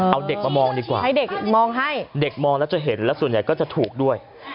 เอาเด็กมามองดีกว่าให้เด็กมองให้เด็กมองแล้วจะเห็นแล้วส่วนใหญ่ก็จะถูกด้วย